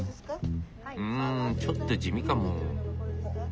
んちょっと地味かも。